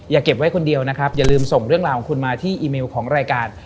เก็บไว้คนเดียวนะครับอย่าลืมส่งเรื่องราวของคุณมาที่อีเมลของรายการ